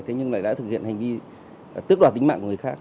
thế nhưng lại đã thực hiện hành vi tước đoạt tính mạng của người khác